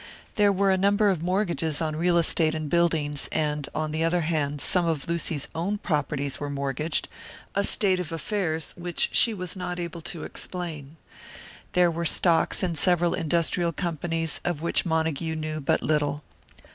There were a number of mortgages on real estate and buildings, and, on the other hand, some of Lucy's own properties were mortgaged, a state of affairs which she was not able to explain. There were stocks in several industrial companies, of which Montague knew but little.